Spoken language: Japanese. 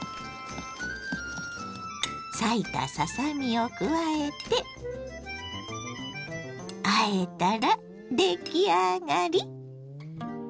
裂いたささ身を加えてあえたら出来上がり！